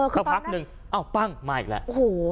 สักพักนึงอ้าวปั้งมาอีกแล้ว